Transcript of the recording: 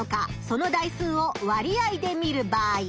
その台数を割合で見る場合